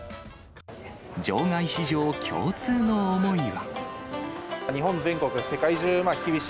場外市場共通の思いは。